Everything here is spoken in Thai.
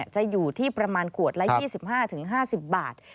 จะอยู่ที่ประมาณขวดละ๒๕๕๐บาท